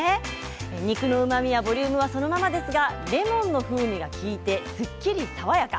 肉のうまみやボリュームはそのままですがレモンの風味が利いてすっきり爽やか。